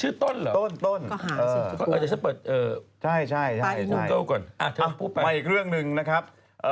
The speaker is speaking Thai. เอาอีกเรื่องหนึ่งนะครับ